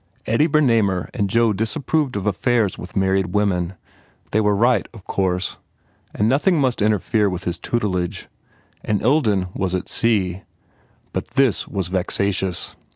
Eddie Bernamer and Joe disapproved of affairs with married women. They were right, of course. And nothing must interfere with his tutelage. And Ilden was at sea. But this was vexatious